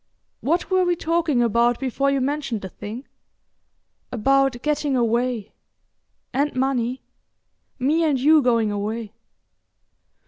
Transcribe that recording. What were we talking about before you mentioned the thing?" "About getting away—and money. Me and you going away."